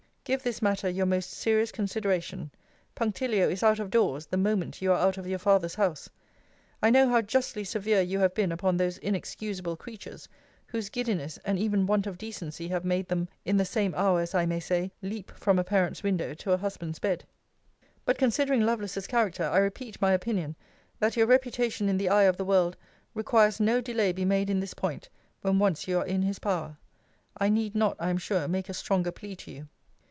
Give this matter your most serious consideration. Punctilio is out of doors the moment you are out of your father's house. I know how justly severe you have been upon those inexcusable creatures, whose giddiness and even want of decency have made them, in the same hour as I may say, leap from a parent's window to a husband's bed but considering Lovelace's character, I repeat my opinion, that your reputation in the eye of the world requires no delay be made in this point, when once you are in his power. I need not, I am sure, make a stronger plea to you.